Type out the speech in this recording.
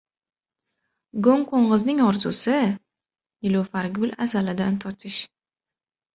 • Go‘ngqo‘ng‘izning orzusi — nilufargul asalidan totish.